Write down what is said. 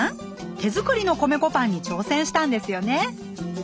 手作りの米粉パンに挑戦したんですよね？